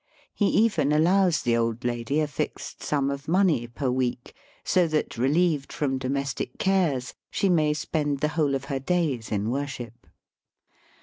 He even allows the old lady a fixed sum of money per week, so that, relieved from domestic cares, she may spend the whole of her days in worship.